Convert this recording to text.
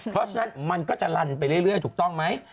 เพราะฉะนั้นมันก็จะลันไปเรื่อยถูกต้องไหม